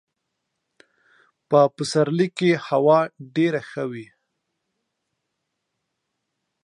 په پسرلي کي هوا ډېره ښه وي .